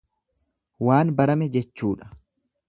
Waan barame jechuudha.